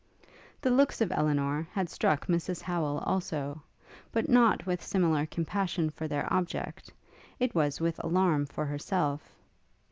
The looks of Elinor had struck Mrs Howel also; but not with similar compassion for their object; it was with alarm for herself.